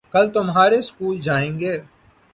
کل تمہارے سکول جائیں گے